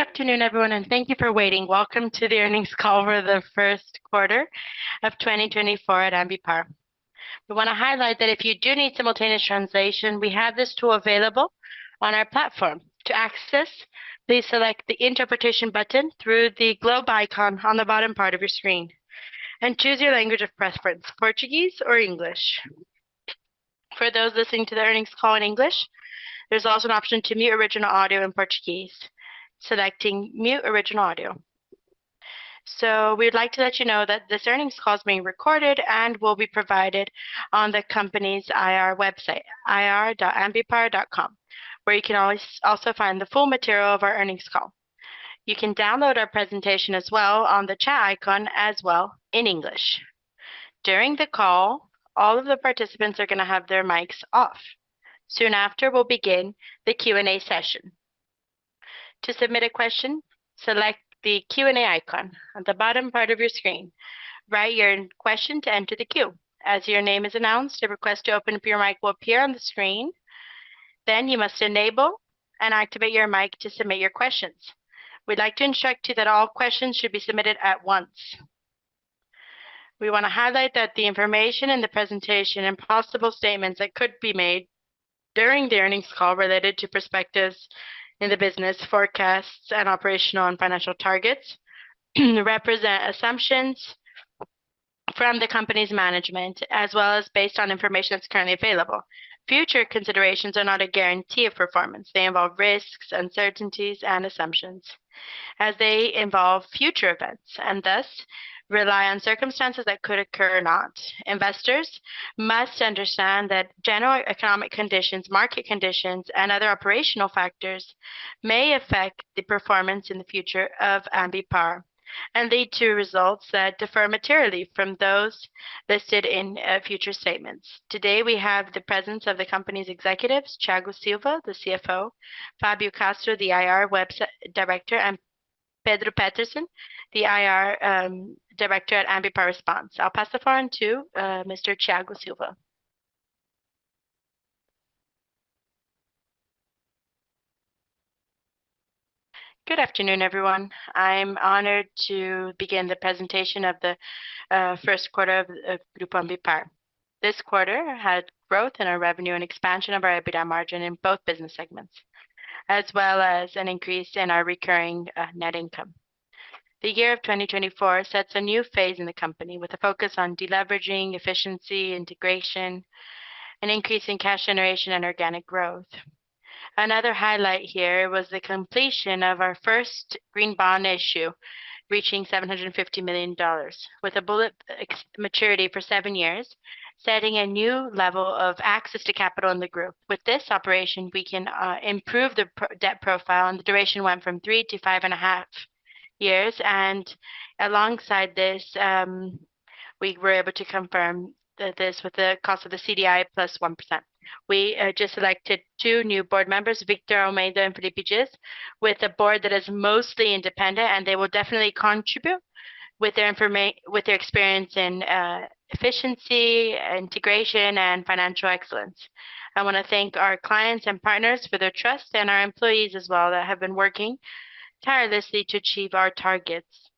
Good afternoon, everyone, and thank you for waiting. Welcome to the earnings call for the first quarter of 2024 at Ambipar. We want to highlight that if you do need simultaneous translation, we have this tool available on our platform. To access, please select the Interpretation button through the globe icon on the bottom part of your screen, and choose your language of preference: Portuguese or English. For those listening to the earnings call in English, there's also an option to mute original audio in Portuguese. Selecting Mute Original Audio. So we'd like to let you know that this earnings call is being recorded and will be provided on the company's IR website, ir.ambipar.com, where you can also find the full material of our earnings call. You can download our presentation as well on the chat icon as well in English. During the call, all of the participants are going to have their mics off. Soon after, we'll begin the Q&A session. To submit a question, select the Q&A icon at the bottom part of your screen. Write your question to enter the queue. As your name is announced, a request to open up your mic will appear on the screen. Then you must enable and activate your mic to submit your questions. We'd like to instruct you that all questions should be submitted at once. We want to highlight that the information in the presentation and possible statements that could be made during the earnings call related to prospects in the business, forecasts, and operational and financial targets represent assumptions from the company's management, as well as based on information that's currently available. Future considerations are not a guarantee of performance. They involve risks, uncertainties, and assumptions, as they involve future events and thus rely on circumstances that could occur or not. Investors must understand that general economic conditions, market conditions, and other operational factors may affect the performance in the future of Ambipar and lead to results that differ materially from those listed in future statements. Today, we have the presence of the company's executives, Thiago Silva, the CFO; Fábio Castro, the IR Director; and Pedro Petersen, the IR Director at Ambipar Response. I'll pass the floor on to Mr. Thiago Silva. Good afternoon, everyone. I'm honored to begin the presentation of the first quarter of Group Ambipar. This quarter had growth in our revenue and expansion of our EBITDA margin in both business segments, as well as an increase in our recurring net income. The year of 2024 sets a new phase in the company with a focus on deleveraging, efficiency, integration, and increasing cash generation and organic growth. Another highlight here was the completion of our first green bond issue, reaching $750 million, with a bullet maturity for 7 years, setting a new level of access to capital in the group. With this operation, we can improve the debt profile, and the duration went from 3 to 5.5 years. And alongside this, we were able to confirm this with the cost of the CDI plus 1%. We just elected two new board members, Victor Almeida and Felipe Gueiros, with a board that is mostly independent, and they will definitely contribute with their experience in efficiency, integration, and financial excellence. I want to thank our clients and partners for their trust, and our employees as well that have been working tirelessly to achieve our targets.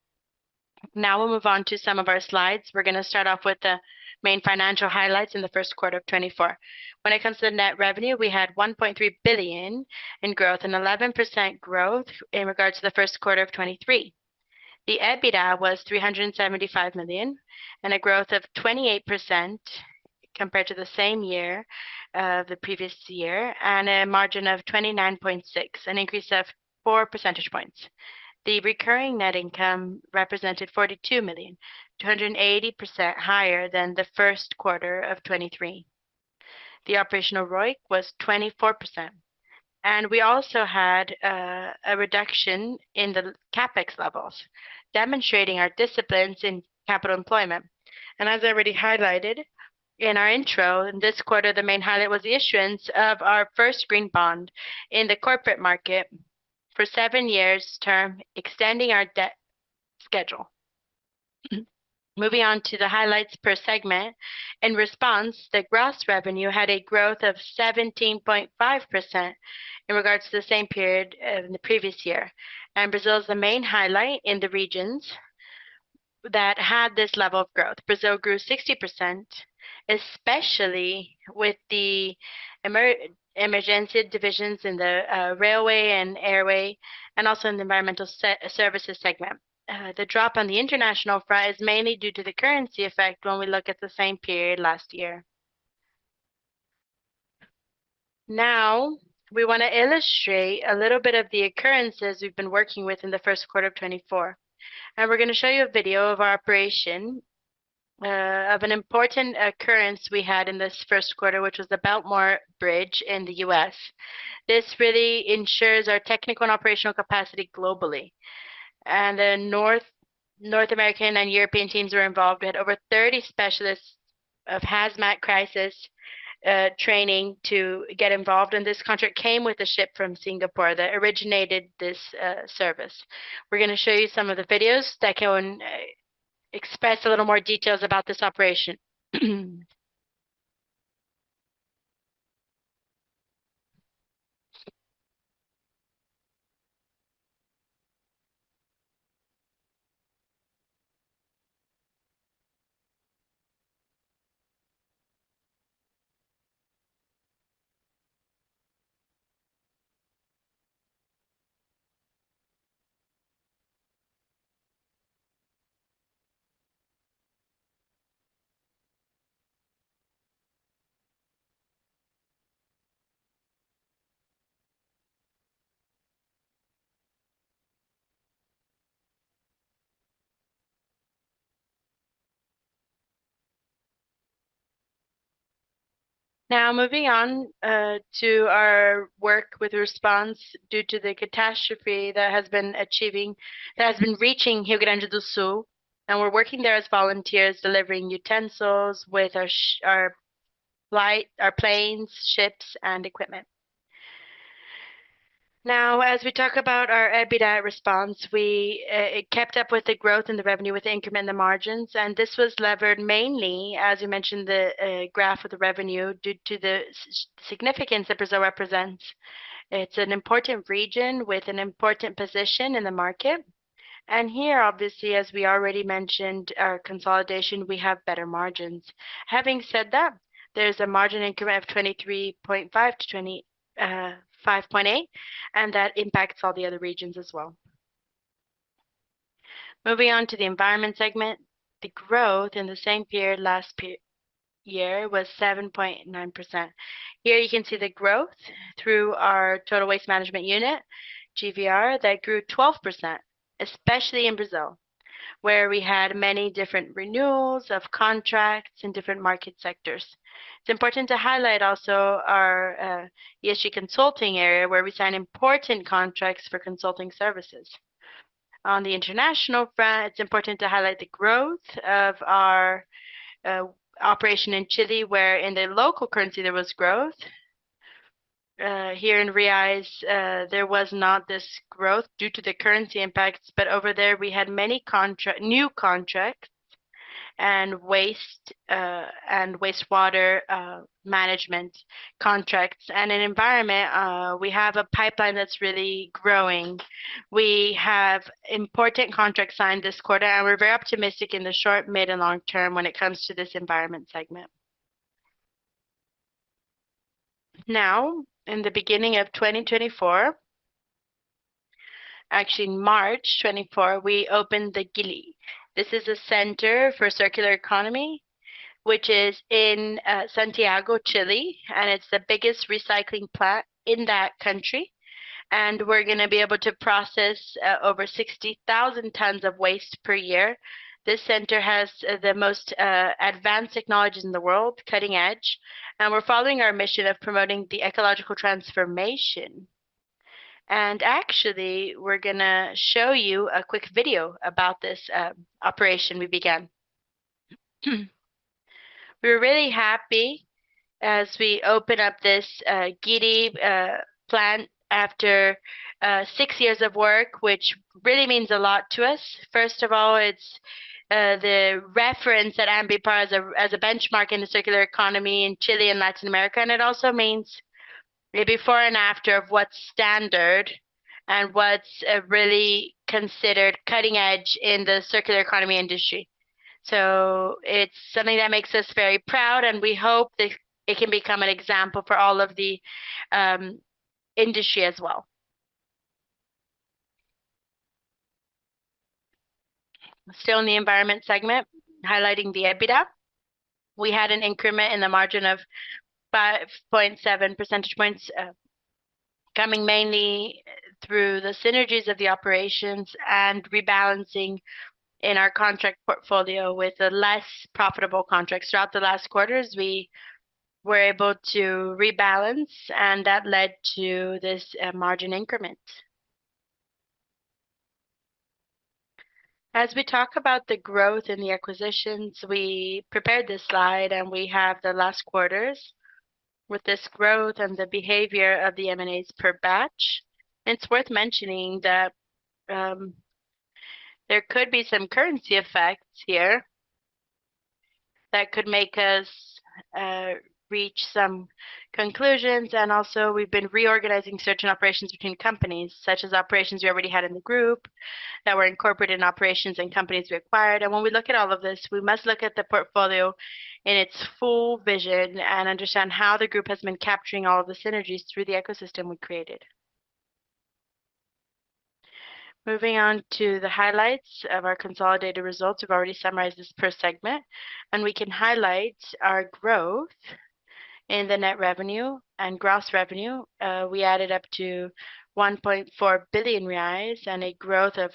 Now we'll move on to some of our slides. We're going to start off with the main financial highlights in the first quarter of 2024. When it comes to the net revenue, we had $1.3 billion in growth, an 11% growth in regards to the first quarter of 2023. The EBITDA was $375 million, and a growth of 28% compared to the same year of the previous year, and a margin of 29.6%, an increase of four percentage points. The recurring net income represented $42 million, 280% higher than the first quarter of 2023. The operational ROIC was 24%. We also had a reduction in the CapEx levels, demonstrating our discipline in capital employment. As I already highlighted in our intro, in this quarter, the main highlight was the issuance of our first green bond in the corporate market for seven years' term, extending our debt schedule. Moving on to the highlights per segment, in Response, the gross revenue had a growth of 17.5% in regards to the same period in the previous year. Brazil is the main highlight in the regions that had this level of growth. Brazil grew 60%, especially with the emergency divisions in the railway and airway, and also in the environmental services segment. The drop on the international front is mainly due to the currency effect when we look at the same period last year. Now we want to illustrate a little bit of the occurrences we've been working with in the first quarter of 2024. We're going to show you a video of our operation, of an important occurrence we had in this first quarter, which was the Baltimore Bridge in the U.S. This really ensures our technical and operational capacity globally. The North American and European teams were involved. We had over 30 specialists of Hazmat crisis training to get involved in this contract. It came with a ship from Singapore that originated this service. We're going to show you some of the videos that can express a little more details about this operation. Now moving on to our work with Response due to the catastrophe that has been reaching Rio Grande do Sul. We're working there as volunteers, delivering utensils with our planes, ships, and equipment. Now, as we talk about our EBITDA at Response, it kept up with the growth in the revenue with incremental margins. This was levered mainly, as we mentioned in the graph with the revenue, due to the significance that Brazil represents. It's an important region with an important position in the market. Here, obviously, as we already mentioned, our consolidation, we have better margins. Having said that, there's a margin increment of 23.5%-25.8%, and that impacts all the other regions as well. Moving on to the environment segment, the growth in the same period last year was 7.9%. Here you can see the growth through our Total Waste Management Unit, GVR, that grew 12%, especially in Brazil, where we had many different renewals of contracts in different market sectors. It's important to highlight also our ESG consulting area, where we sign important contracts for consulting services. On the international front, it's important to highlight the growth of our operation in Chile, where in the local currency there was growth. Here in reais, there was not this growth due to the currency impacts, but over there we had many new contracts and wastewater management contracts. And in environment, we have a pipeline that's really growing. We have important contracts signed this quarter, and we're very optimistic in the short, mid, and long term when it comes to this environment segment. Now, in the beginning of 2024, actually in March 2024, we opened the GIRI. This is a center for circular economy, which is in Santiago, Chile, and it's the biggest recycling plant in that country. And we're going to be able to process over 60,000 tons of waste per year. This center has the most advanced technologies in the world, cutting edge, and we're following our mission of promoting the ecological transformation. Actually, we're going to show you a quick video about this operation we began. We were really happy as we opened up this GIRI plant after six years of work, which really means a lot to us. First of all, it's the reference at Ambipar as a benchmark in the circular economy in Chile and Latin America, and it also means maybe before and after of what's standard and what's really considered cutting edge in the circular economy industry. It's something that makes us very proud, and we hope that it can become an example for all of the industry as well. Still in the environment segment, highlighting the EBITDA, we had an increment in the margin of 5.7 percentage points, coming mainly through the synergies of the operations and rebalancing in our contract portfolio with less profitable contracts. Throughout the last quarters, we were able to rebalance, and that led to this margin increment. As we talk about the growth in the acquisitions, we prepared this slide, and we have the last quarters with this growth and the behavior of the M&As per batch. It's worth mentioning that there could be some currency effects here that could make us reach some conclusions. Also, we've been reorganizing search and operations between companies, such as operations we already had in the group that were incorporated in operations and companies we acquired. When we look at all of this, we must look at the portfolio in its full vision and understand how the group has been capturing all of the synergies through the ecosystem we created. Moving on to the highlights of our consolidated results, we've already summarized this per segment. We can highlight our growth in the net revenue and gross revenue. We added up to 1.4 billion reais and a growth of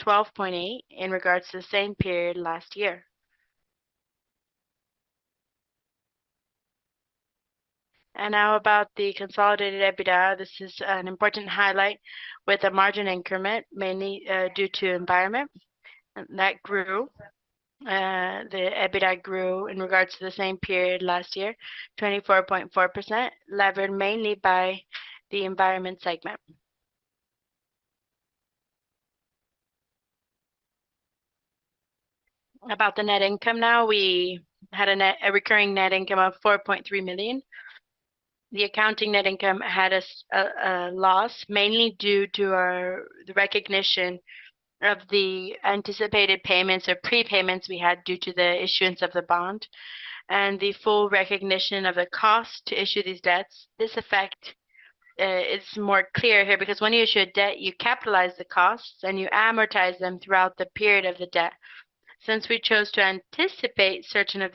12.8% in regards to the same period last year. Now about the consolidated EBITDA. This is an important highlight with a margin increment mainly due to environment. And that grew. The EBITDA grew in regards to the same period last year, 24.4%, levered mainly by the environment segment. About the net income now, we had a recurring net income of $4.3 million. The accounting net income had a loss, mainly due to the recognition of the anticipated payments or prepayments we had due to the issuance of the bond and the full recognition of the cost to issue these debts. This effect is more clear here because when you issue a debt, you capitalize the costs and you amortize them throughout the period of the debt. Since we chose to anticipate certain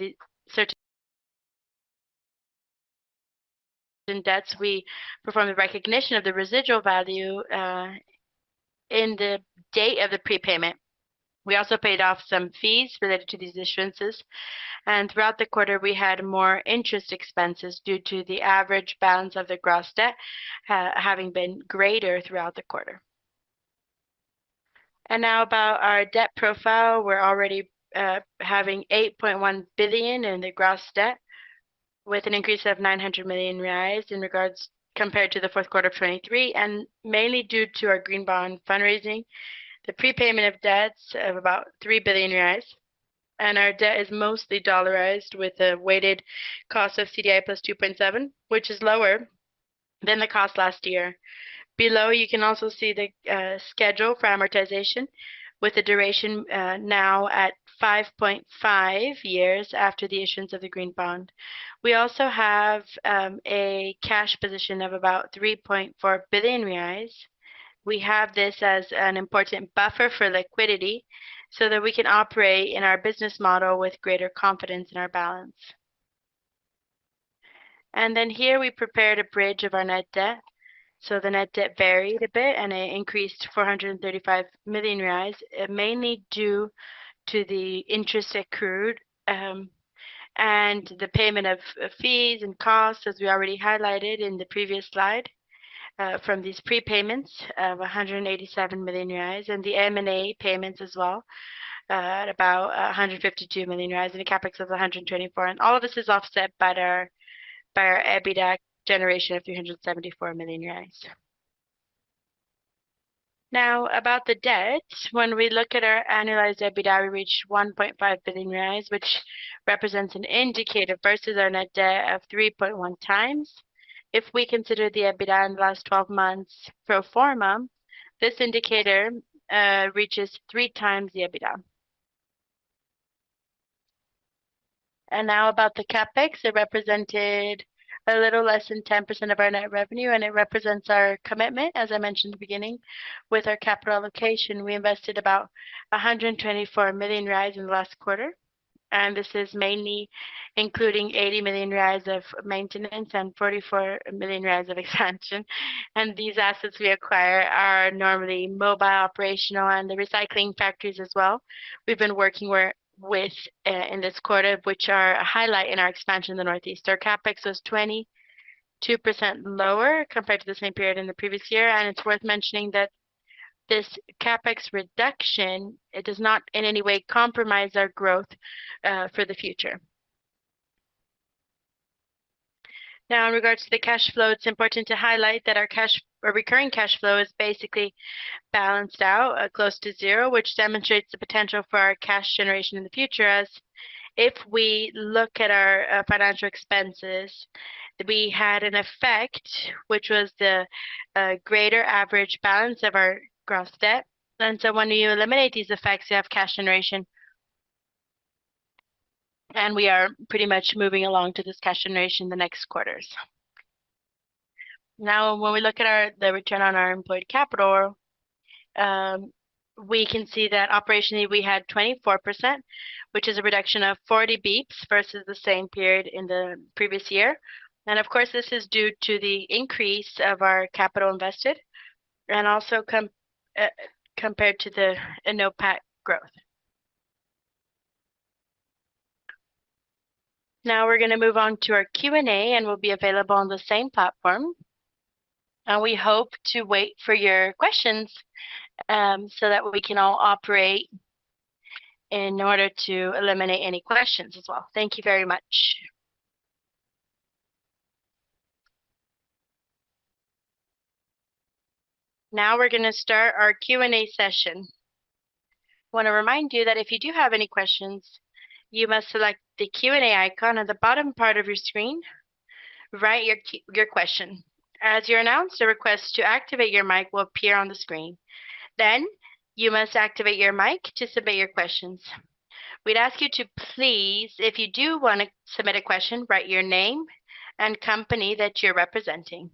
debts, we performed the recognition of the residual value in the date of the prepayment. We also paid off some fees related to these issuances. Throughout the quarter, we had more interest expenses due to the average balance of the gross debt having been greater throughout the quarter. Now about our debt profile, we're already having 8.1 billion in the gross debt with an increase of 900 million reais compared to the fourth quarter of 2023, and mainly due to our green bond fundraising, the prepayment of debts of about 3 billion reais. Our debt is mostly dollarized with a weighted cost of CDI + 2.7%, which is lower than the cost last year. Below, you can also see the schedule for amortization with the duration now at 5.5 years after the issuance of the green bond. We also have a cash position of about 3.4 billion reais. We have this as an important buffer for liquidity so that we can operate in our business model with greater confidence in our balance. Here we prepared a bridge of our net debt. So the net debt varied a bit, and it increased to 435 million reais, mainly due to the interest accrued and the payment of fees and costs, as we already highlighted in the previous slide, from these prepayments of 187 million reais and the M&A payments as well, at about 152 million and a CapEx of 124 million. And all of this is offset by our EBITDA generation of 374 million. Now, about the debt, when we look at our annualized EBITDA, we reached 1.5 billion reais, which represents an indicator versus our net debt of 3.1x. If we consider the EBITDA in the last 12 months pro forma, this indicator reaches 3x the EBITDA. And now about the CapEx. It represented a little less than 10% of our net revenue, and it represents our commitment, as I mentioned in the beginning, with our capital allocation. We invested about 124 million in the last quarter. This is mainly including 80 million of maintenance and 44 million of expansion. These assets we acquire are normally mobile, operational, and the recycling factories as well. We've been working with in this quarter, which are a highlight in our expansion in the Northeast. Our CapEx was 22% lower compared to the same period in the previous year. It's worth mentioning that this CapEx reduction, it does not in any way compromise our growth for the future. Now, in regards to the cash flow, it's important to highlight that our recurring cash flow is basically balanced out, close to zero, which demonstrates the potential for our cash generation in the future. As if we look at our financial expenses, we had an effect, which was the greater average balance of our gross debt. And so when you eliminate these effects, you have cash generation. And we are pretty much moving along to this cash generation in the next quarters. Now, when we look at the return on our employed capital, we can see that operationally we had 24%, which is a reduction of 40 basis points versus the same period in the previous year. And of course, this is due to the increase of our capital invested and also compared to the NOPAT growth. Now we're going to move on to our Q&A, and we'll be available on the same platform. And we hope to wait for your questions so that we can all operate in order to eliminate any questions as well. Thank you very much. Now we're going to start our Q&A session. I want to remind you that if you do have any questions, you must select the Q&A icon on the bottom part of your screen, write your question. As you're announced, a request to activate your mic will appear on the screen. Then you must activate your mic to submit your questions. We'd ask you to please, if you do want to submit a question, write your name and company that you're representing.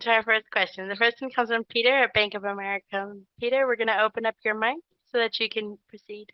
Time for the first question. The first one comes from Peter at Bank of America. Peter, we're going to open up your mic so that you can proceed.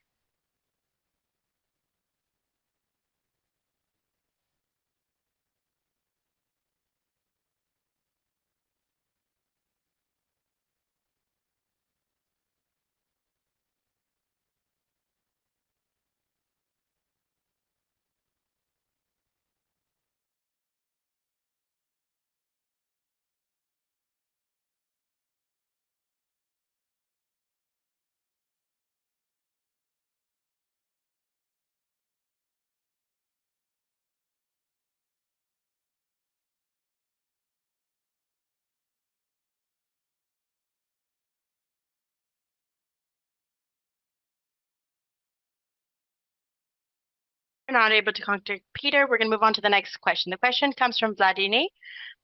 We're not able to contact Peter. We're going to move on to the next question. The question comes from Vladimir.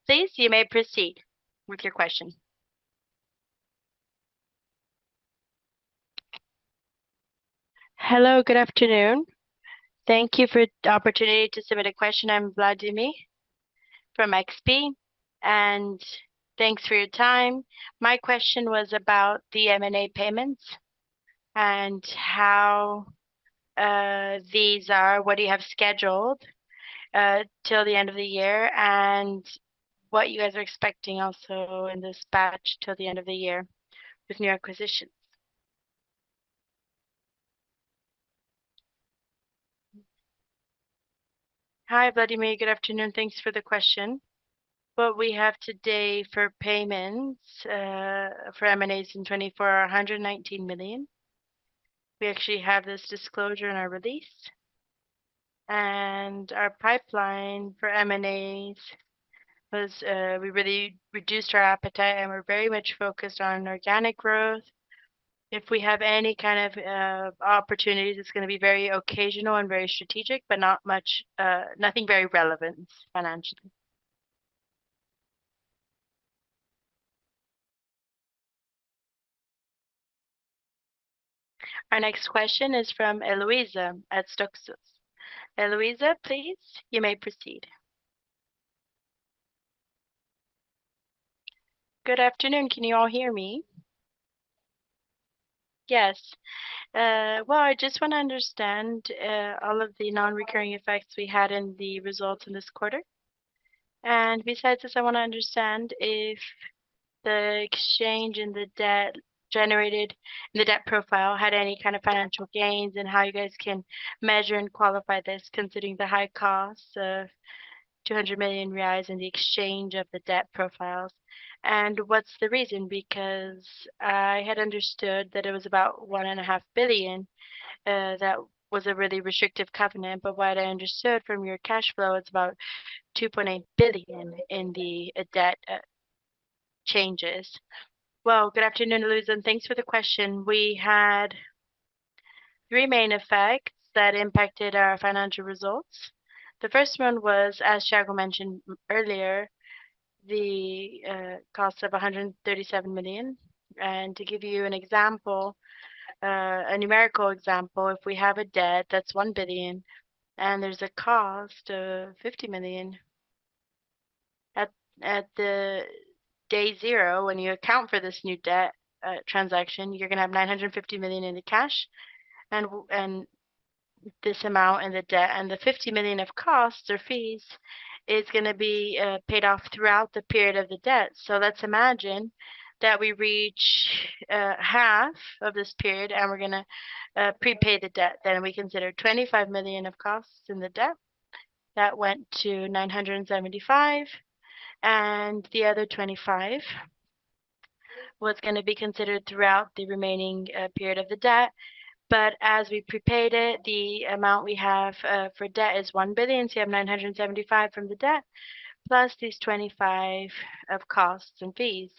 Please, you may proceed with your question. Hello, good afternoon. Thank you for the opportunity to submit a question. I'm Vladimir from XP, and thanks for your time. My question was about the M&A payments and how these are, what you have scheduled till the end of the year, and what you guys are expecting also in this batch till the end of the year with new acquisitions. Hi, Vladimir. Good afternoon. Thanks for the question. What we have today for payments for M&As in 2024 are R$119 million. We actually have this disclosure in our release. Our pipeline for M&As was we really reduced our appetite, and we're very much focused on organic growth. If we have any kind of opportunities, it's going to be very occasional and very strategic, but nothing very relevant financially. Our next question is from Eloisa at StoneX. Eloisa, please, you may proceed. Good afternoon. Can you all hear me? Yes. Well, I just want to understand all of the non-recurring effects we had in the results in this quarter. And besides this, I want to understand if the exchange and the debt generated in the debt profile had any kind of financial gains and how you guys can measure and qualify this considering the high cost of 200 million reais in the exchange of the debt profiles. And what's the reason? Because I had understood that it was about 1.5 billion that was a really restrictive covenant, but what I understood from your cash flow, it's about 2.8 billion in the debt changes. Well, good afternoon, Eloisa. And thanks for the question. We had three main effects that impacted our financial results. The first one was, as Thiago mentioned earlier, the cost of 137 million. To give you an example, a numerical example, if we have a debt that's 1 billion and there's a cost of 50 million, at day zero, when you account for this new debt transaction, you're going to have 950 million in the cash and this amount in the debt. The 50 million of costs or fees is going to be paid off throughout the period of the debt. Let's imagine that we reach half of this period and we're going to prepay the debt. We consider 25 million of costs in the debt that went to 975 million, and the other 25 million was going to be considered throughout the remaining period of the debt. As we prepaid it, the amount we have for debt is 1 billion. You have 975 million from the debt plus these 25 million of costs and fees.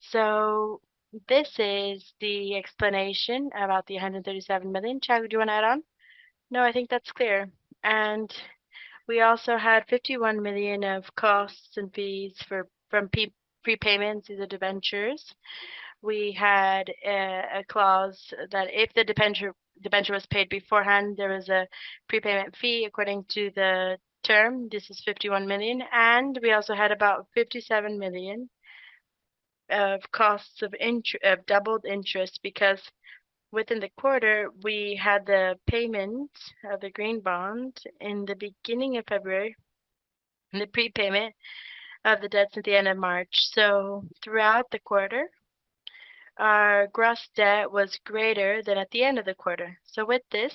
So this is the explanation about the 137 million. Thiago, do you want to add on? No, I think that's clear. And we also had 51 million of costs and fees from prepayments either to debentures. We had a clause that if the debenture was paid beforehand, there was a prepayment fee according to the term. This is 51 million. And we also had about 57 million of costs of doubled interest because within the quarter, we had the payment of the green bond in the beginning of February and the prepayment of the debts at the end of March. So throughout the quarter, our gross debt was greater than at the end of the quarter. So with this,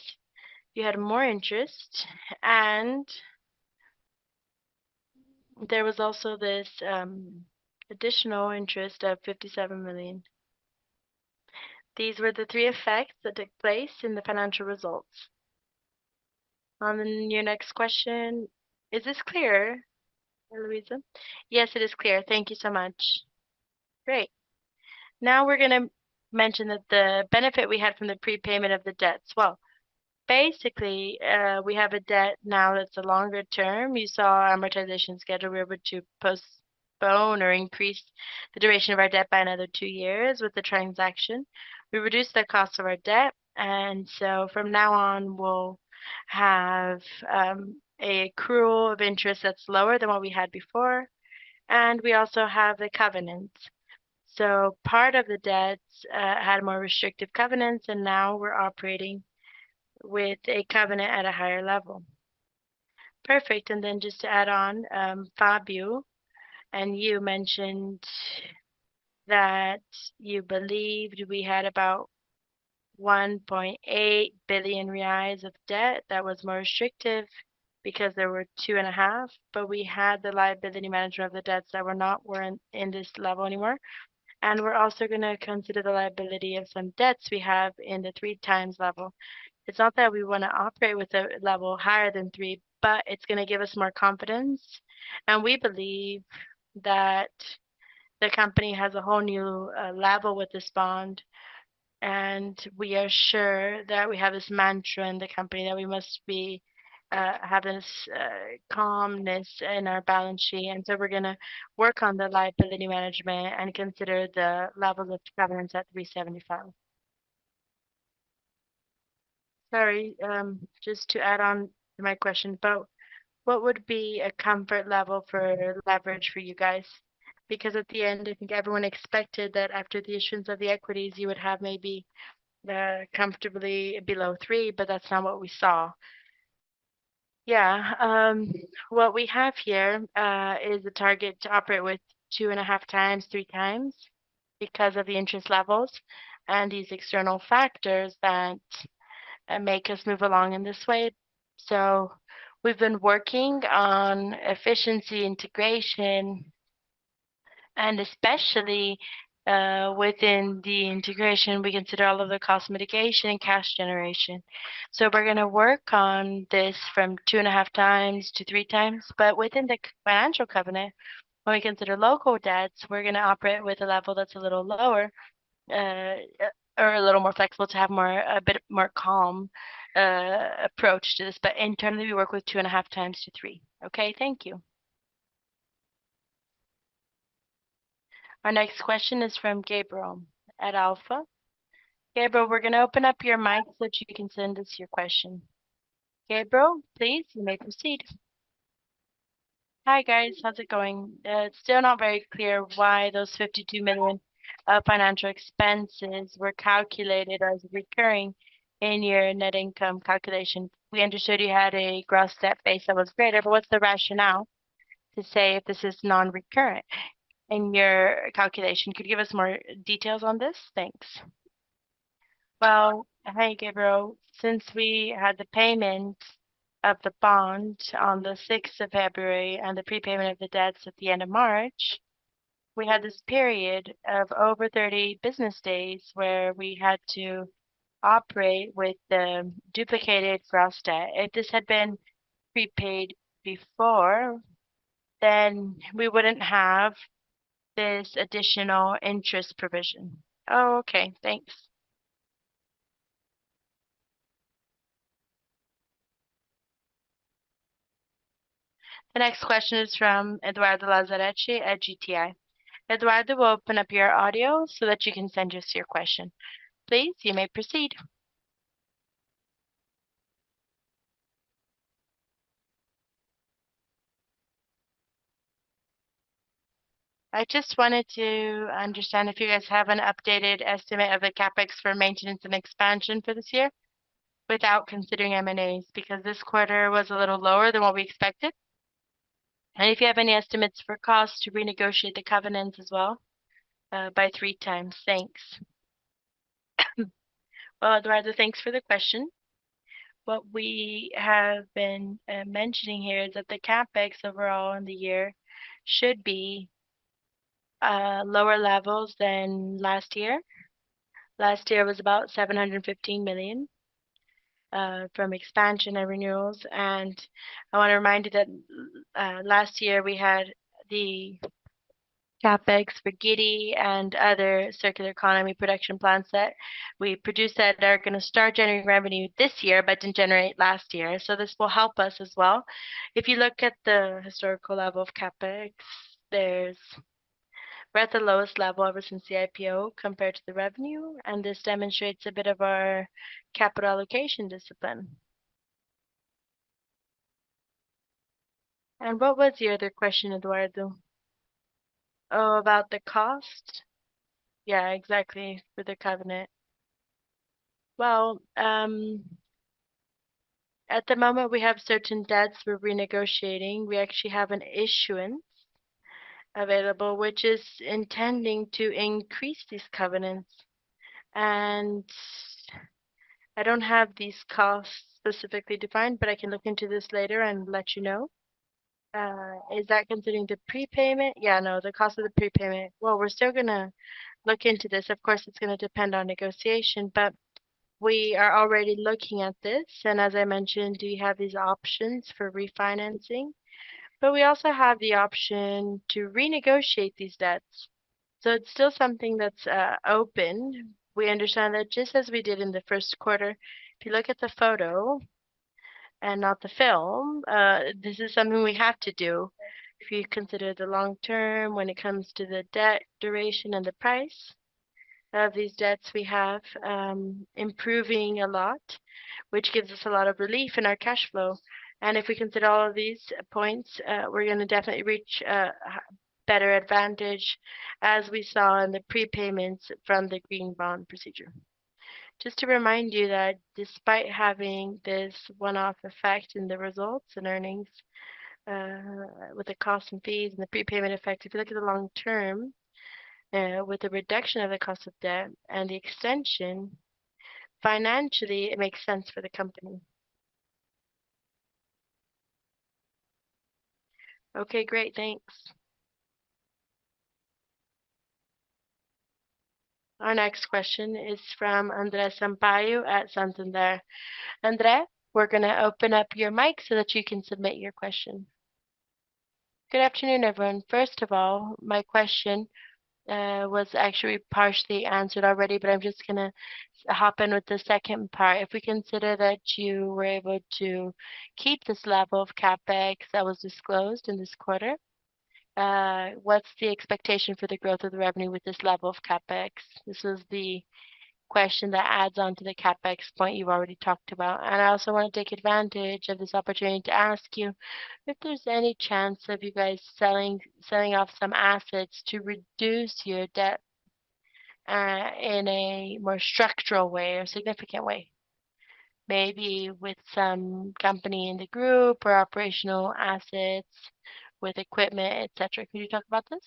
you had more interest, and there was also this additional interest of 57 million. These were the three effects that took place in the financial results. On your next question, is this clear, Eloisa? Yes, it is clear. Thank you so much. Great. Now we're going to mention that the benefit we had from the prepayment of the debts. Well, basically, we have a debt now that's a longer term. You saw our amortization schedule. We were able to postpone or increase the duration of our debt by another 2 years with the transaction. We reduced the cost of our debt. And so from now on, we'll have a accrual of interest that's lower than what we had before. And we also have the covenants. So part of the debts had a more restrictive covenant, and now we're operating with a covenant at a higher level. Perfect. And then just to add on, Fábio, and you mentioned that you believed we had about 1.8 billion reais of debt that was more restrictive because there were 2.5, but we had the liability management of the debts that were not in this level anymore. And we're also going to consider the liability of some debts we have in the 3 times level. It's not that we want to operate with a level higher than 3, but it's going to give us more confidence. And we believe that the company has a whole new level with this bond. And we are sure that we have this mantra in the company that we must have this calmness in our balance sheet. And so we're going to work on the liability management and consider the level of covenants at 375. Sorry, just to add on to my question about what would be a comfort level for leverage for you guys. Because at the end, I think everyone expected that after the issuance of the equities, you would have maybe comfortably below 3, but that's not what we saw. Yeah. What we have here is a target to operate with 2.5x-3x because of the interest levels and these external factors that make us move along in this way. So we've been working on efficiency, integration, and especially within the integration, we consider all of the cost mitigation and cash generation. So we're going to work on this from 2.5x to 3x. But within the financial covenant, when we consider local debts, we're going to operate with a level that's a little lower or a little more flexible to have a bit more calm approach to this. But internally, we work with 2.5x-3. Okay? Thank you. Our next question is from Gabriel at Alfa. Gabriel, we're going to open up your mic so that you can send us your question. Gabriel, please, you may proceed. Hi, guys. How's it going? It's still not very clear why those R$ 52 million financial expenses were calculated as recurring in your net income calculation. We understood you had a gross debt base that was greater, but what's the rationale to say if this is non-recurrent in your calculation? Could you give us more details on this? Thanks. Well, hi, Gabriel. Since we had the payment of the bond on the 6th of February and the prepayment of the debts at the end of March, we had this period of over 30 business days where we had to operate with the duplicated gross debt. If this had been prepaid before, then we wouldn't have this additional interest provision. Oh, okay. Thanks. The next question is from Eduardo Lazzaretti at GTI. Eduardo, we'll open up your audio so that you can send us your question. Please, you may proceed. I just wanted to understand if you guys have an updated estimate of the CapEx for maintenance and expansion for this year without considering M&As because this quarter was a little lower than what we expected. And if you have any estimates for costs to renegotiate the covenants as well by 3 times. Thanks. Well, Eduardo, thanks for the question. What we have been mentioning here is that the CapEx overall in the year should be lower levels than last year. Last year was about 715 million from expansion and renewals. I want to remind you that last year we had the CapEx for GIRI and other circular economy production plans that we produced that are going to start generating revenue this year but didn't generate last year. So this will help us as well. If you look at the historical level of CapEx, we're at the lowest level ever since the IPO compared to the revenue. And this demonstrates a bit of our capital allocation discipline. And what was your other question, Eduardo? Oh, about the cost? Yeah, exactly, for the covenant. Well, at the moment, we have certain debts we're renegotiating. We actually have an issuance available, which is intending to increase these covenants. And I don't have these costs specifically defined, but I can look into this later and let you know. Is that considering the prepayment? Yeah, no, the cost of the prepayment. Well, we're still going to look into this. Of course, it's going to depend on negotiation, but we are already looking at this. And as I mentioned, we have these options for refinancing. But we also have the option to renegotiate these debts. So it's still something that's open. We understand that just as we did in the first quarter, if you look at the photo and not the film, this is something we have to do if you consider the long term when it comes to the debt duration and the price of these debts. We have improving a lot, which gives us a lot of relief in our cash flow. And if we consider all of these points, we're going to definitely reach better advantage as we saw in the prepayments from the green bond procedure. Just to remind you that despite having this one-off effect in the results and earnings with the costs and fees and the prepayment effect, if you look at the long term with the reduction of the cost of debt and the extension, financially, it makes sense for the company. Okay, great. Thanks. Our next question is from André Sampaio at Santander. André, we're going to open up your mic so that you can submit your question. Good afternoon, everyone. First of all, my question was actually partially answered already, but I'm just going to hop in with the second part. If we consider that you were able to keep this level of CapEx that was disclosed in this quarter, what's the expectation for the growth of the revenue with this level of CapEx? This was the question that adds on to the CapEx point you've already talked about. I also want to take advantage of this opportunity to ask you if there's any chance of you guys selling off some assets to reduce your debt in a more structural way or significant way, maybe with some company in the group or operational assets with equipment, etc. Could you talk about this?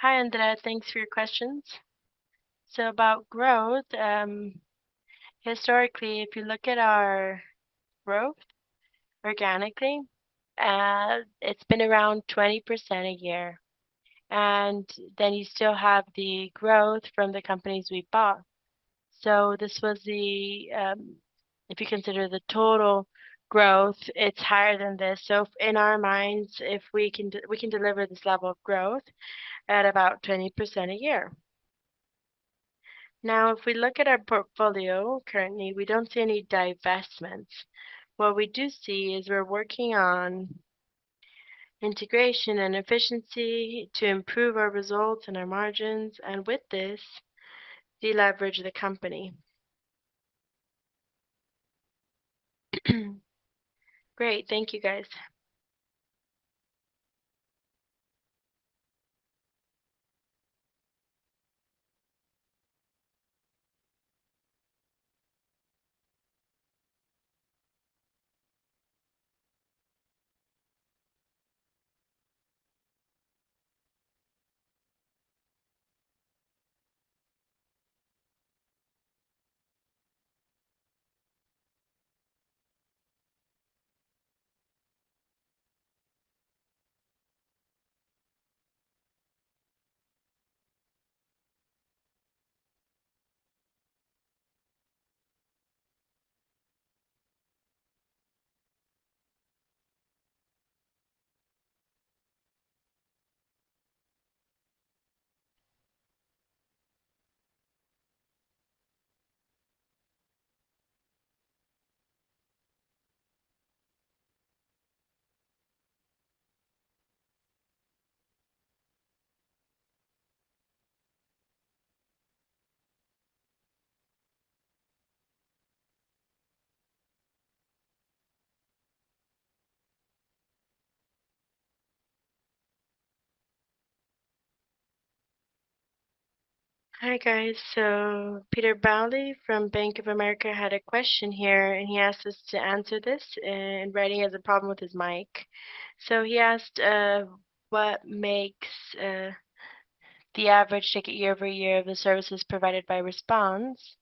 Hi, André. Thanks for your questions. So about growth, historically, if you look at our growth organically, it's been around 20% a year. And then you still have the growth from the companies we bought. So if you consider the total growth, it's higher than this. So in our minds, we can deliver this level of growth at about 20% a year. Now, if we look at our portfolio currently, we don't see any divestments. What we do see is we're working on integration and efficiency to improve our results and our margins and with this, de-leverage the company. Great. Thank you, guys. Hi, guys. So Peter Barclay from Bank of America had a question here, and he asked us to answer this in writing as a problem with his mic. So he asked what makes the average ticket year-over-year of the services provided by Response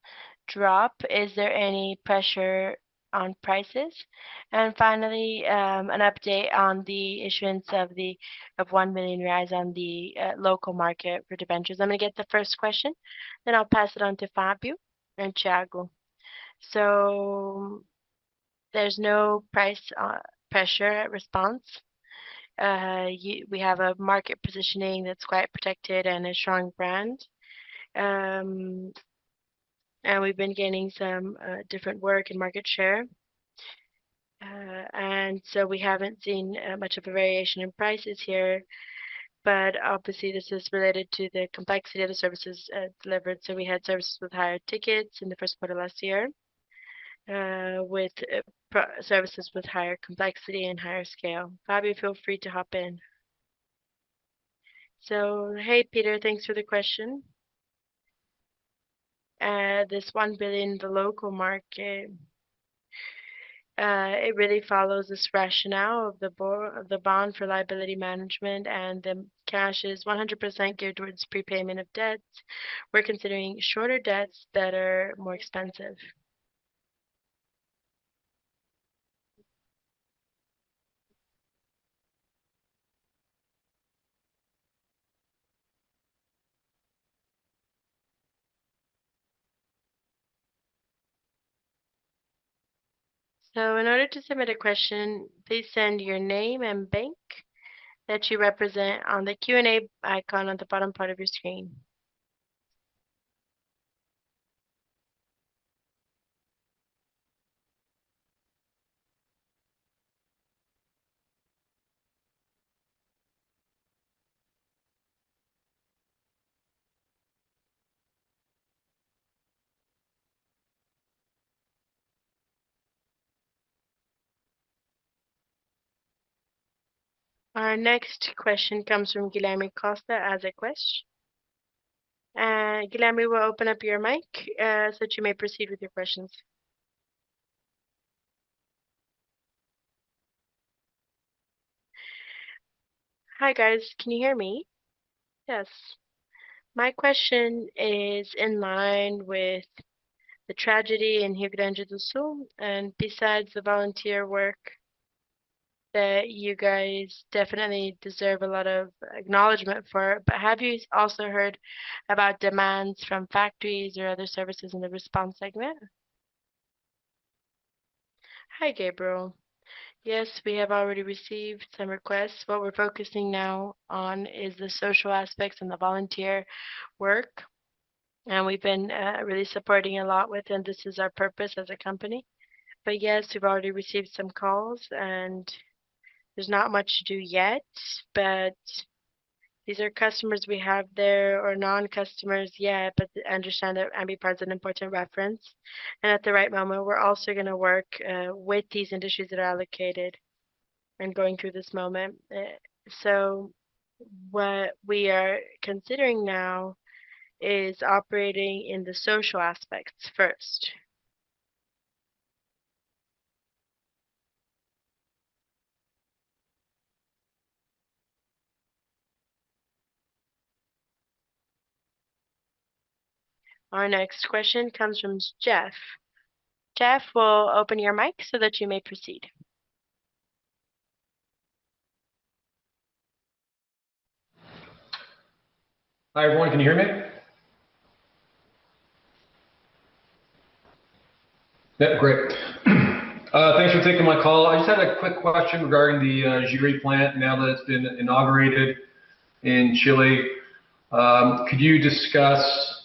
drop? Is there any pressure on prices? And finally, an update on the issuance of 1 million reais on the local market for debentures. I'm going to get the first question, then I'll pass it on to Fabio and Tiago. So there's no price pressure at Response. We have a market positioning that's quite protected and a strong brand. And we've been gaining some different work and market share. And so we haven't seen much of a variation in prices here. But obviously, this is related to the complexity of the services delivered. So we had services with higher tickets in the first quarter last year with services with higher complexity and higher scale. Fábio, feel free to hop in. So hey, Peter, thanks for the question. This 1 billion in the local market, it really follows this rationale of the bond for liability management, and the cash is 100% geared towards prepayment of debts. We're considering shorter debts that are more expensive. So in order to submit a question, please send your name and bank that you represent on the Q&A icon on the bottom part of your screen. Our next question comes from Guilherme Costa as a question. Guilherme, we'll open up your mic so that you may proceed with your questions. Hi, guys. Can you hear me? Yes. My question is in line with the tragedy in Rio Grande do Sul and besides the volunteer work that you guys definitely deserve a lot of acknowledgment for. But have you also heard about demands from factories or other services in the Response segment? Hi, Gabriel. Yes, we have already received some requests. What we're focusing now on is the social aspects and the volunteer work. And we've been really supporting a lot with, and this is our purpose as a company. But yes, we've already received some calls, and there's not much to do yet. But these are customers we have there or non-customers yet, but understand that Ambipar is an important reference. And at the right moment, we're also going to work with these industries that are allocated and going through this moment. So what we are considering now is operating in the social aspects first. Our next question comes from Jeff. Jeff, we'll open your mic so that you may proceed. Hi, everyone. Can you hear me? Yep, great. Thanks for taking my call. I just had a quick question regarding the GIRI plant now that it's been inaugurated in Chile. Could you discuss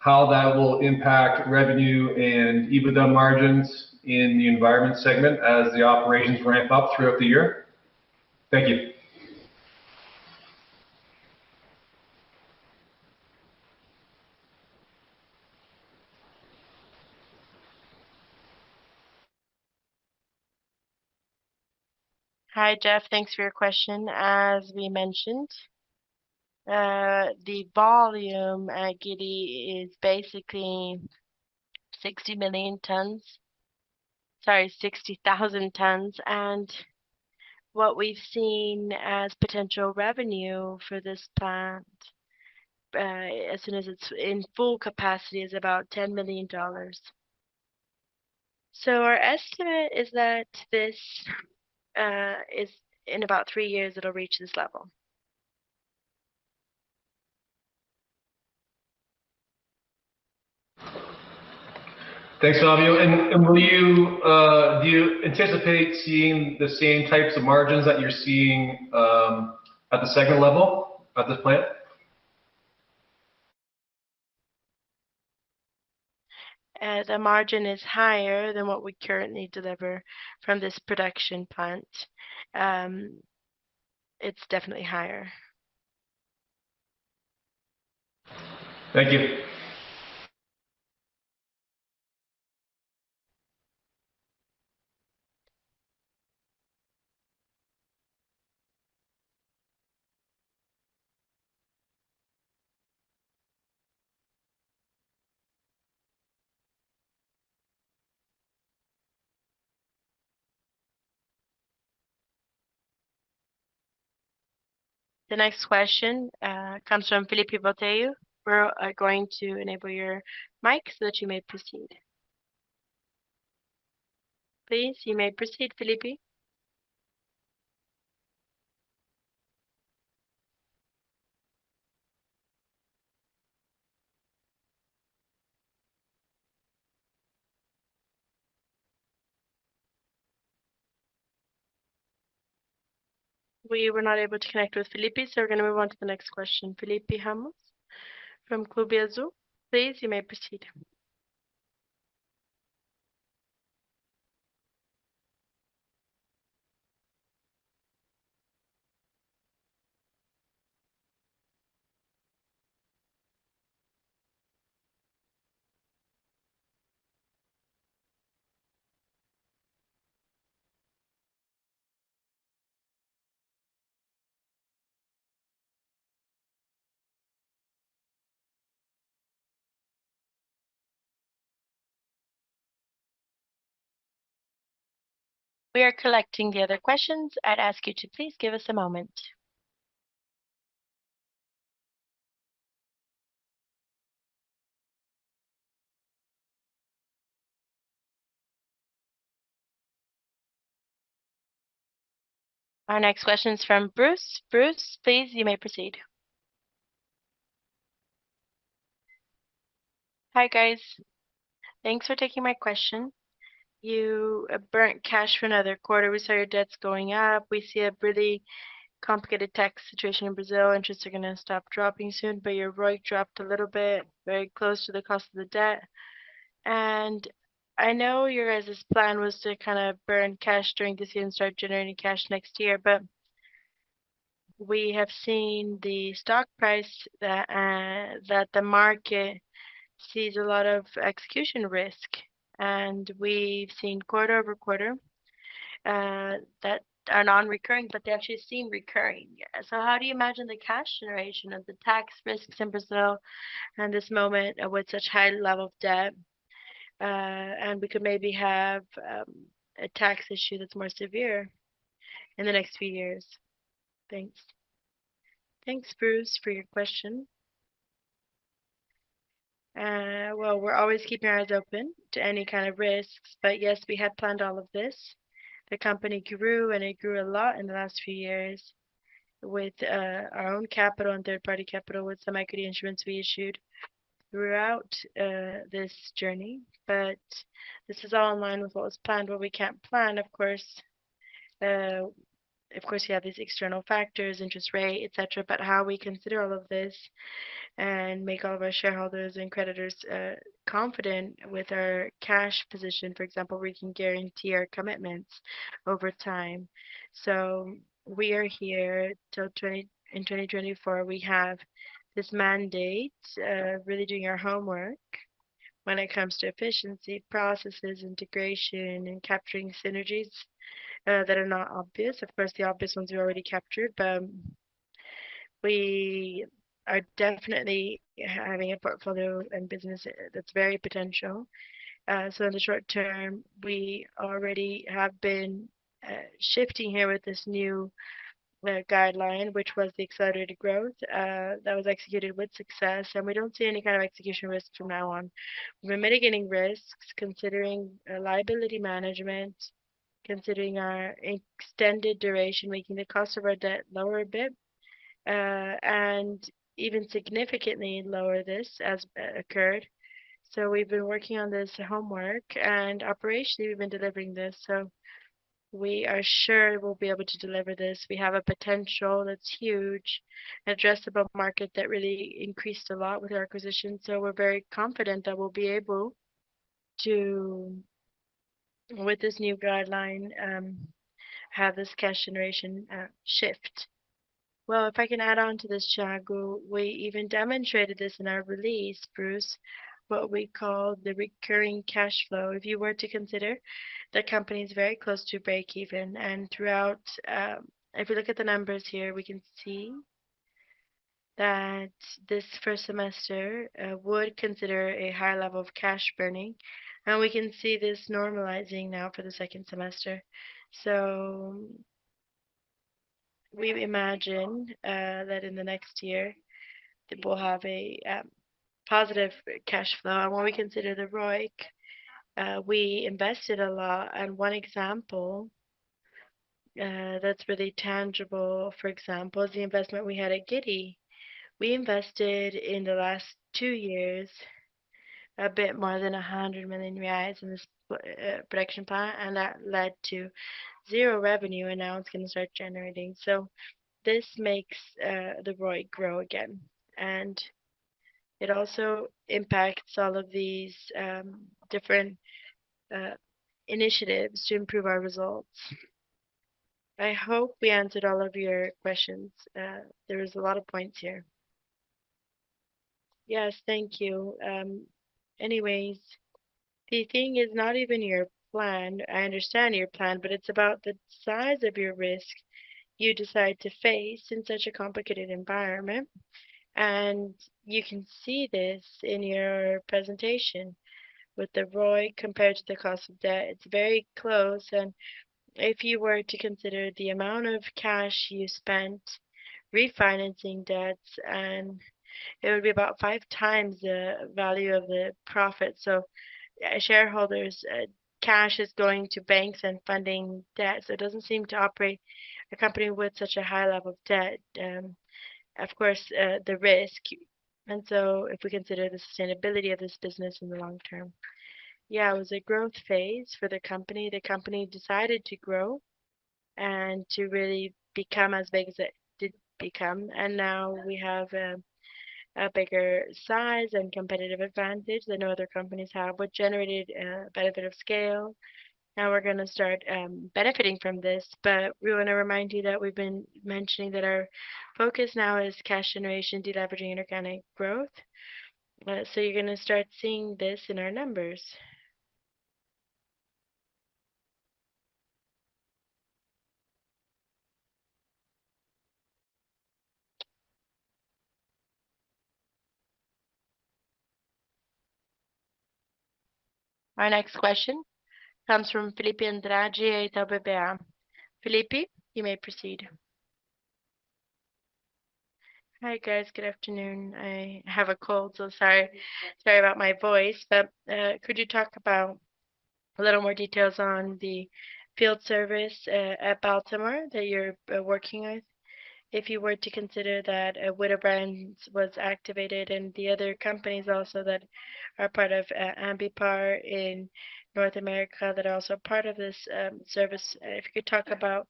how that will impact revenue and EBITDA margins in the environment segment as the operations ramp up throughout the year? Thank you. Hi, Jeff. Thanks for your question. As we mentioned, the volume at GIRI is basically 60 million tons, sorry, 60,000 tons. And what we've seen as potential revenue for this plant as soon as it's in full capacity is about $10 million. So our estimate is that in about three years, it'll reach this level. Thanks, Fábio. Do you anticipate seeing the same types of margins that you're seeing at the segment level at this plant? The margin is higher than what we currently deliver from this production plant. It's definitely higher. Thank you. The next question comes from Felipe Botelho. We're going to enable your mic so that you may proceed. Please, you may proceed, Felipe. We were not able to connect with Felipe, so we're going to move on to the next question. Felipe Ramos from Clave Capital, please, you may proceed. We are collecting the other questions. I'd ask you to please give us a moment. Our next question is from Bruce. Bruce, please, you may proceed. Hi, guys. Thanks for taking my question. You burnt cash for another quarter. We saw your debts going up. We see a really complicated tax situation in Brazil. Interests are going to stop dropping soon. Your ROIC dropped a little bit, very close to the cost of the debt. And I know your guys' plan was to kind of burn cash during this year and start generating cash next year. But we have seen the stock price that the market sees a lot of execution risk. And we've seen quarter-over-quarter that are non-recurring, but they actually seem recurring. So how do you imagine the cash generation of the tax risks in Brazil and this moment with such high level of debt? And we could maybe have a tax issue that's more severe in the next few years. Thanks. Thanks, Bruce, for your question. Well, we're always keeping our eyes open to any kind of risks. But yes, we had planned all of this. The company grew, and it grew a lot in the last few years with our own capital and third-party capital with some equity insurance we issued throughout this journey. But this is all in line with what was planned, what we can't plan, of course. Of course, you have these external factors, interest rate, etc. But how we consider all of this and make all of our shareholders and creditors confident with our cash position, for example, where we can guarantee our commitments over time. So we are here till in 2024. We have this mandate of really doing our homework when it comes to efficiency, processes, integration, and capturing synergies that are not obvious. Of course, the obvious ones we already captured. But we are definitely having a portfolio and business that's very potential. So in the short term, we already have been shifting here with this new guideline, which was the accelerated growth that was executed with success. And we don't see any kind of execution risk from now on. We've been mitigating risks, considering liability management, considering our extended duration, making the cost of our debt lower a bit, and even significantly lower this as occurred. So we've been working on this homework. And operationally, we've been delivering this. So we are sure we'll be able to deliver this. We have a potential that's huge, an addressable market that really increased a lot with our acquisition. So we're very confident that we'll be able to, with this new guideline, have this cash generation shift. Well, if I can add on to this, Thiago, we even demonstrated this in our release, Bruce, what we call the recurring cash flow. If you were to consider, the company is very close to break-even. And if we look at the numbers here, we can see that this first semester would consider a high level of cash burning. And we can see this normalizing now for the second semester. So we imagine that in the next year, it will have a positive cash flow. And when we consider the ROIC, we invested a lot. And one example that's really tangible, for example, is the investment we had at GIRI. We invested in the last two years a bit more than 100 million reais in this production plan. And that led to zero revenue. And now it's going to start generating. So this makes the ROIC grow again. And it also impacts all of these different initiatives to improve our results. I hope we answered all of your questions. There was a lot of points here. Yes, thank you. Anyways, the thing is not even your plan. I understand your plan, but it's about the size of your risk you decide to face in such a complicated environment. And you can see this in your presentation with the ROIC compared to the cost of debt. It's very close. And if you were to consider the amount of cash you spent refinancing debts, it would be about five times the value of the profit. So cash is going to banks and funding debt. So it doesn't seem to operate a company with such a high level of debt, of course, the risk. And so if we consider the sustainability of this business in the long term Yeah, it was a growth phase for the company. The company decided to grow and to really become as big as it did become. Now we have a bigger size and competitive advantage that no other companies have, which generated a benefit of scale. Now we're going to start benefiting from this. But we want to remind you that we've been mentioning that our focus now is cash generation, de-leveraging, and organic growth. You're going to start seeing this in our numbers. Our next question comes from Felipe Andrade Itaú BBA. Felipe, you may proceed. Hi, guys. Good afternoon. I have a cold, so sorry about my voice. But could you talk about a little more details on the field service at Baltimore that you're working with, if you were to consider that Witt O'Brien's was activated and the other companies also that are part of Empreendimentos in North America that are also part of this service? If you could talk about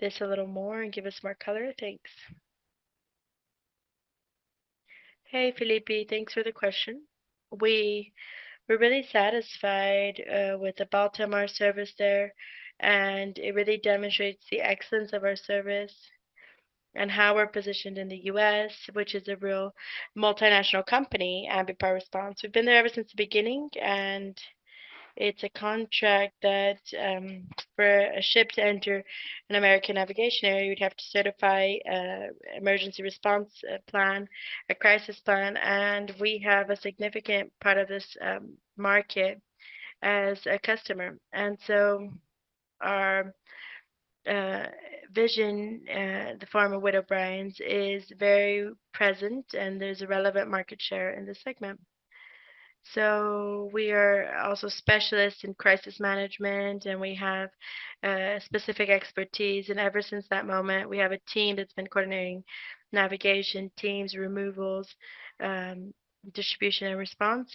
this a little more and give us more color? Thanks. Hey, Felipe. Thanks for the question. We're really satisfied with the Baltimore service there. It really demonstrates the excellence of our service and how we're positioned in the U.S., which is a real multinational company, Ambipar Response. We've been there ever since the beginning. It's a contract that for a ship to enter an American navigation area, you would have to certify an emergency response plan, a crisis plan. We have a significant part of this market as a customer. Our vision, the form of Witt O'Brien's, is very present. There's a relevant market share in this segment. We are also specialists in crisis management. We have specific expertise. Ever since that moment, we have a team that's been coordinating navigation teams, removals, distribution, and response.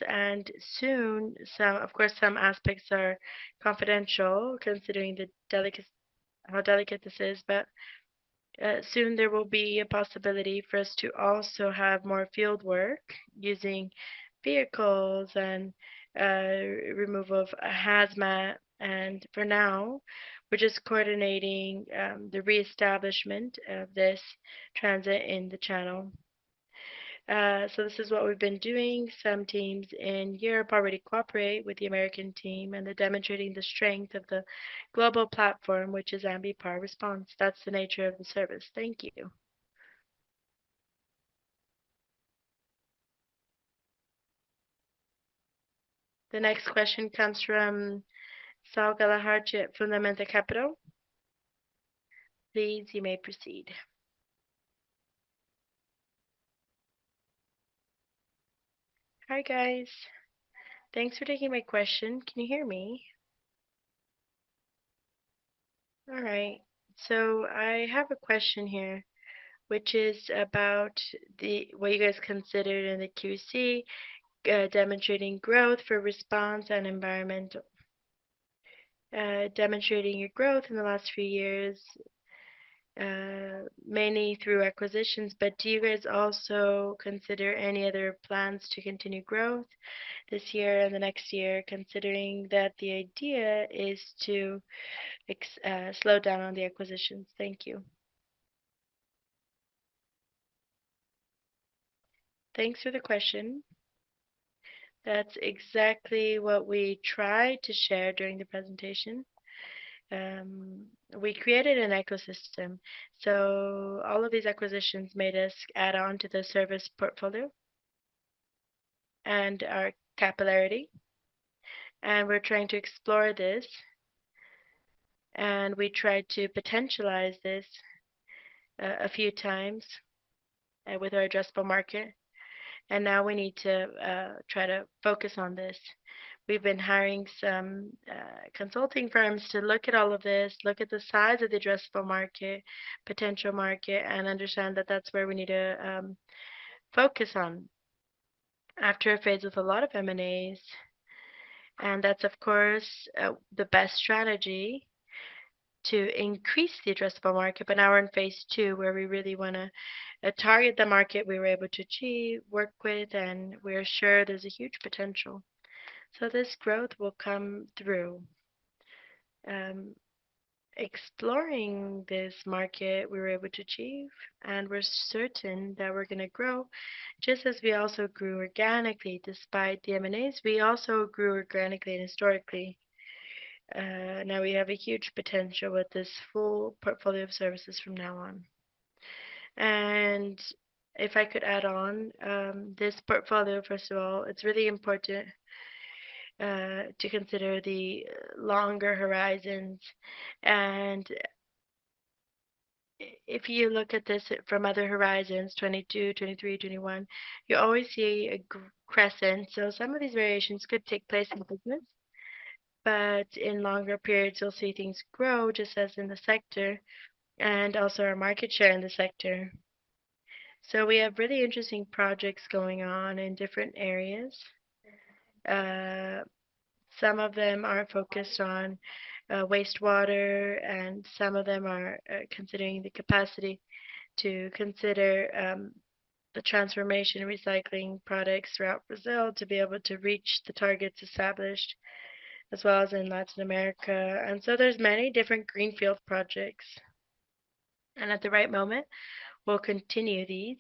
Of course, some aspects are confidential, considering how delicate this is. But soon, there will be a possibility for us to also have more field work using vehicles and removal of hazmat. For now, we're just coordinating the reestablishment of this transit in the channel. So this is what we've been doing. Some teams in Europe already cooperate with the American team. They're demonstrating the strength of the global platform, which is Ambipar Response. That's the nature of the service. Thank you. The next question comes from Saul Galahartia from La Mente Capital. Please, you may proceed. Hi, guys. Thanks for taking my question. Can you hear me? All right. So I have a question here, which is about what you guys considered in the QC demonstrating growth for response and environmental demonstrating your growth in the last few years, mainly through acquisitions. But do you guys also consider any other plans to continue growth this year and the next year, considering that the idea is to slow down on the acquisitions? Thank you. Thanks for the question. That's exactly what we tried to share during the presentation. We created an ecosystem. So all of these acquisitions made us add on to the service portfolio and our capillarity. And we're trying to explore this. And we tried to potentialize this a few times with our addressable market. And now we need to try to focus on this. We've been hiring some consulting firms to look at all of this, look at the size of the addressable market, potential market, and understand that that's where we need to focus on after a phase with a lot of M&As. And that's, of course, the best strategy to increase the addressable market. Now we're in phase two, where we really want to target the market we were able to achieve, work with. We're sure there's a huge potential. So this growth will come through exploring this market we were able to achieve. We're certain that we're going to grow, just as we also grew organically despite the M&As. We also grew organically and historically. Now we have a huge potential with this full portfolio of services from now on. If I could add on, this portfolio, first of all, it's really important to consider the longer horizons. If you look at this from other horizons, 2022, 2023, 2021, you always see a crescent. Some of these variations could take place in business. In longer periods, you'll see things grow, just as in the sector, and also our market share in the sector. So we have really interesting projects going on in different areas. Some of them are focused on wastewater. And some of them are considering the capacity to consider the transformation recycling products throughout Brazil to be able to reach the targets established, as well as in Latin America. And so there's many different greenfield projects. And at the right moment, we'll continue these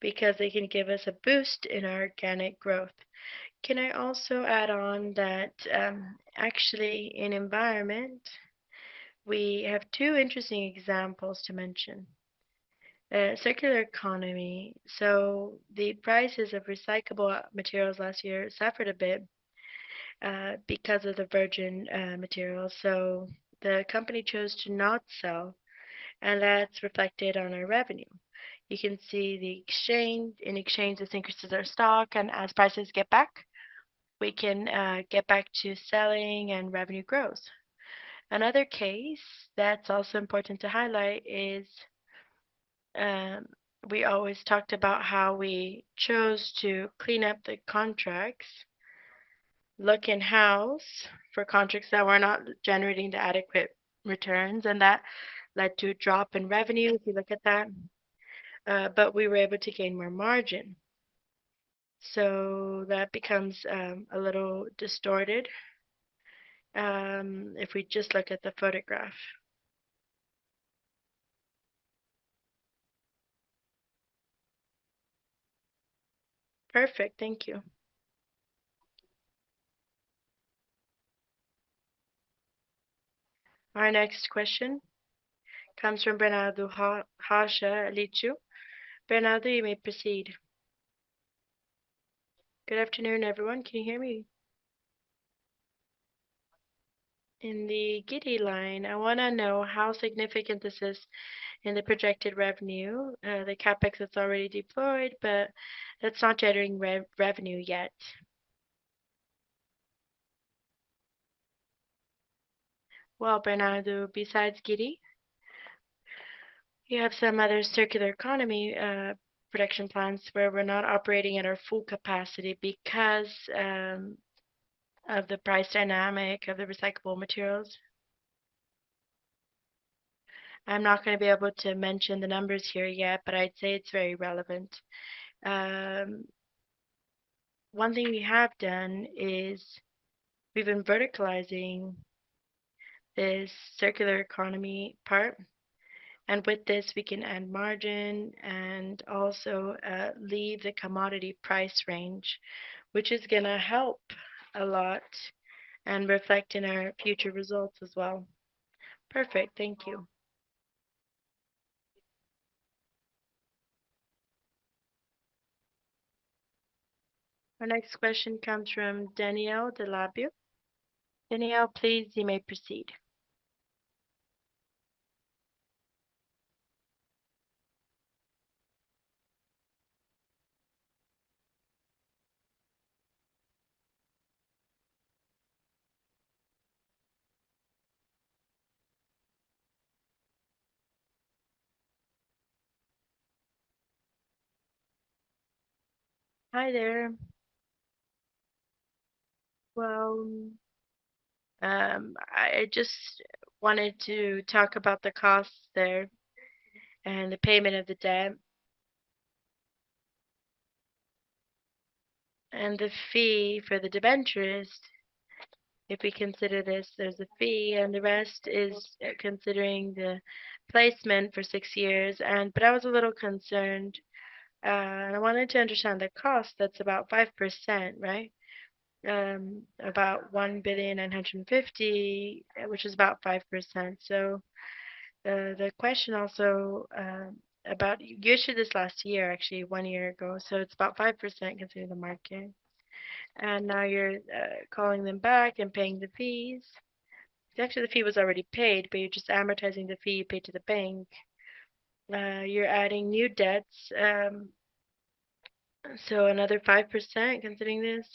because they can give us a boost in our organic growth. Can I also add on that, actually, in Environment, we have two interesting examples to mention: circular economy. So the prices of recyclable materials last year suffered a bit because of the virgin materials. So the company chose to not sell. And that's reflected on our revenue. You can see in exchange, this increases our stock. And as prices get back, we can get back to selling. And revenue grows. Another case that's also important to highlight is we always talked about how we chose to clean up the contracts, look in-house for contracts that were not generating the adequate returns. And that led to a drop in revenue, if you look at that. But we were able to gain more margin. So that becomes a little distorted if we just look at the photograph. Perfect. Thank you. Our next question comes from Bernardo Rocha, Aletheia. Bernardo, you may proceed. Good afternoon, everyone. Can you hear me? In the GIRI line, I want to know how significant this is in the projected revenue, the CapEx that's already deployed. But that's not generating revenue yet. Well, Bernardo, besides GIRI, you have some other circular economy production plans where we're not operating at our full capacity because of the price dynamic of the recyclable materials. I'm not going to be able to mention the numbers here yet. But I'd say it's very relevant. One thing we have done is we've been verticalizing this circular economy part. And with this, we can add margin and also leave the commodity price range, which is going to help a lot and reflect in our future results as well. Perfect. Thank you. Our next question comes from Danielle Delabio. Danielle, please, you may proceed. Hi there. Well, I just wanted to talk about the costs there and the payment of the debt and the fee for the debenturist. If we consider this, there's a fee. And the rest is considering the placement for six years. But I was a little concerned. And I wanted to understand the cost. That's about 5%, right? About 1.95 billion, which is about 5%. So the question also about you issued this last year, actually, one year ago. So it's about 5% considering the market. And now you're calling them back and paying the fees. Actually, the fee was already paid. But you're just amortizing the fee you paid to the bank. You're adding new debts. So another 5% considering this.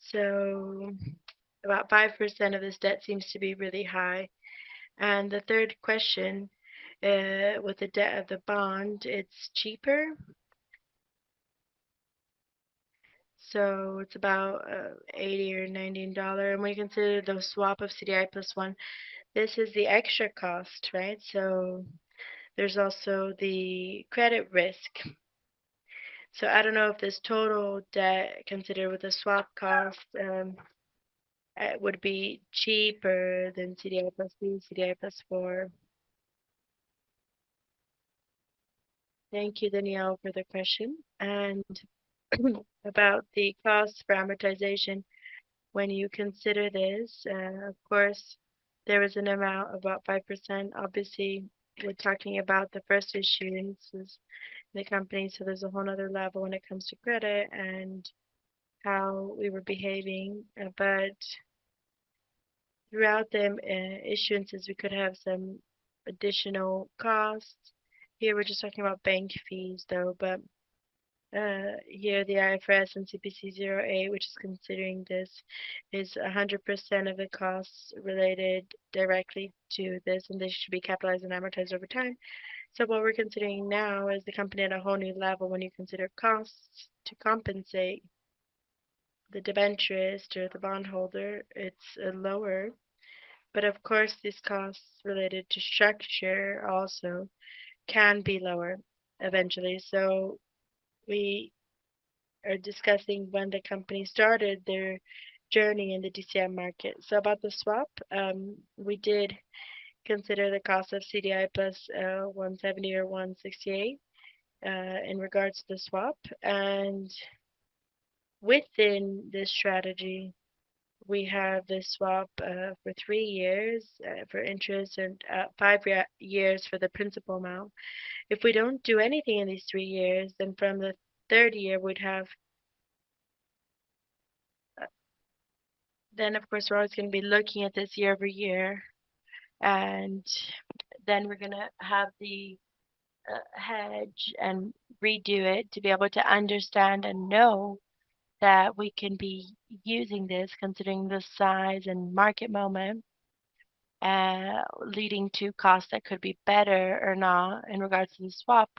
So about 5% of this debt seems to be really high. And the third question, with the debt of the bond, it's cheaper. So it's about $80 or $19. And we consider the swap of CDI plus one. This is the extra cost, right? So there's also the credit risk. So I don't know if this total debt considered with the swap cost would be cheaper than CDI plus two, CDI plus four. Thank you, Danielle, for the question. And about the cost for amortization, when you consider this, of course, there was an amount of about 5%. Obviously, we're talking about the first issuance in the company. So there's a whole other level when it comes to credit and how we were behaving. But throughout the issuances, we could have some additional costs. Here, we're just talking about bank fees, though. But here, the IFRS and CPC 08, which is considering this, is 100% of the costs related directly to this. And they should be capitalized and amortized over time. So what we're considering now is the company at a whole new level when you consider costs to compensate the debenturist or the bondholder. It's lower. But of course, these costs related to structure also can be lower eventually. So we are discussing when the company started their journey in the DCM market. So about the swap, we did consider the cost of CDI + 170 or 168 in regards to the swap. And within this strategy, we have this swap for 3 years for interest and 5 years for the principal amount. If we don't do anything in these 3 years, then from the third year, we'd have then, of course, we're always going to be looking at this year-over-year. And then we're going to have the hedge and redo it to be able to understand and know that we can be using this, considering the size and market moment leading to costs that could be better or not in regards to the swap.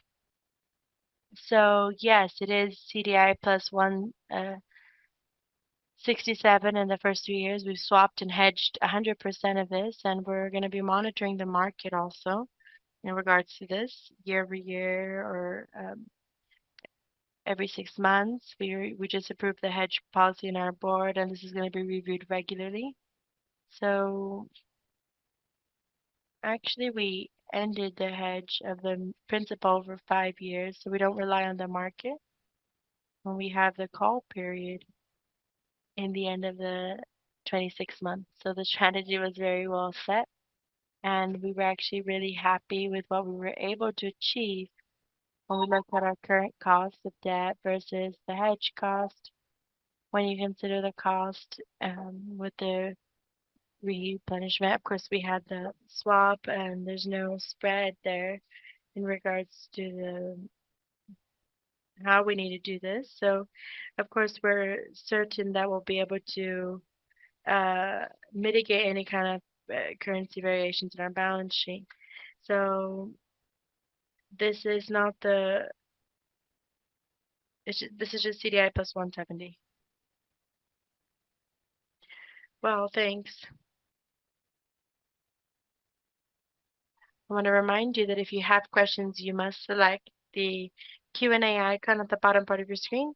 So yes, it is CDI + 167 in the first 3 years. We've swapped and hedged 100% of this. We're going to be monitoring the market also in regards to this year-over-year or every six months. We just approved the hedge policy in our board. This is going to be reviewed regularly. Actually, we ended the hedge of the principal over five years. We don't rely on the market when we have the call period in the end of the 26 months. The strategy was very well set. We were actually really happy with what we were able to achieve when we looked at our current cost of debt versus the hedge cost when you consider the cost with the replenishment. Of course, we had the swap. There's no spread there in regards to how we need to do this. Of course, we're certain that we'll be able to mitigate any kind of currency variations in our balance sheet. So this is not. This is just CDI plus 170. Well, thanks. I want to remind you that if you have questions, you must select the Q&A icon at the bottom part of your screen.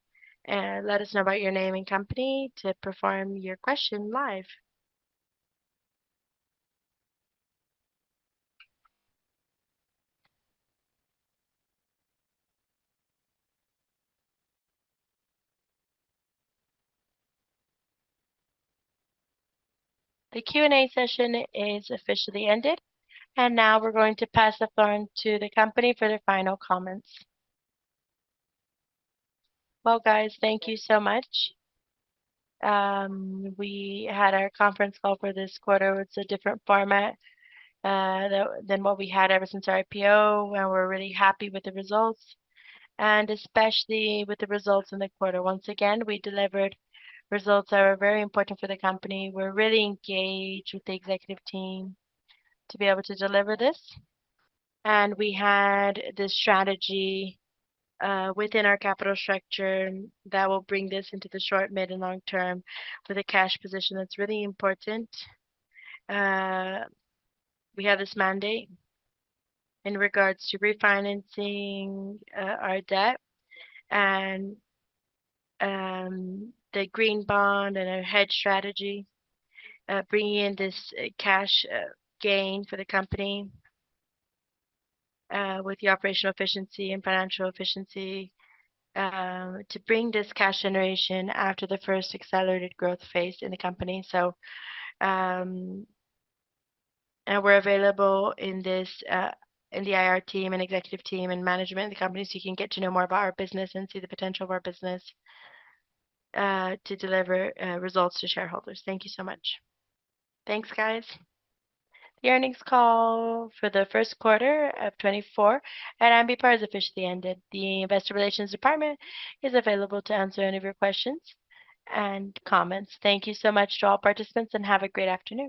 Let us know about your name and company to perform your question live. The Q&A session is officially ended. Now we're going to pass the turn to the company for their final comments. Well, guys, thank you so much. We had our conference call for this quarter. It's a different format than what we had ever since our IPO. We're really happy with the results, and especially with the results in the quarter. Once again, we delivered results that were very important for the company. We're really engaged with the executive team to be able to deliver this. We had this strategy within our capital structure that will bring this into the short, mid-, and long-term for the cash position that's really important. We have this mandate in regards to refinancing our debt and the green bond and our hedge strategy, bringing in this cash gain for the company with the operational efficiency and financial efficiency to bring this cash generation after the first accelerated growth phase in the company. And we're available in the IR team and executive team and management of the company so you can get to know more about our business and see the potential of our business to deliver results to shareholders. Thank you so much. Thanks, guys. The earnings call for the first quarter of 2024. And Ambipar has officially ended. The investor relations department is available to answer any of your questions and comments. Thank you so much to all participants. And have a great afternoon.